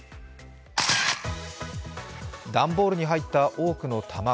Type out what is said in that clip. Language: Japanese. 段ボールに入った多くの卵。